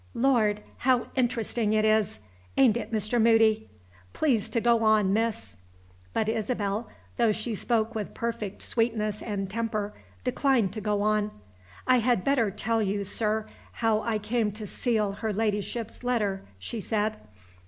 Lord! how interesting it is! ain't it, Mr. Moody? Please to go on, miss." But Isabel, though she spoke with perfect sweetness and temper, declined to go on. "I had better tell you, sir, how I came to seal her Ladyship's letter," she said.